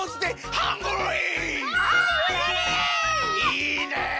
いいね！